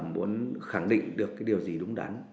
muốn khẳng định được cái điều gì đúng đắn